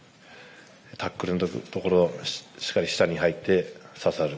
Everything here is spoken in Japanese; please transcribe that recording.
タックルのところしっかりしたに入って、ささる。